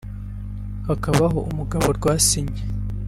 hakabaho umugabo Rwasine